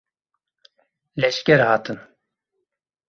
Leşger hatin.